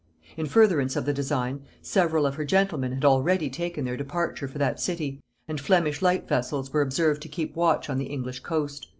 In furtherance of the design, several of her gentlemen had already taken their departure for that city, and Flemish light vessels were observed to keep watch on the English coast.